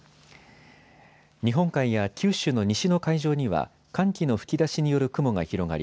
日本海や九州の西の海上には寒気の吹き出しによる雲が広がり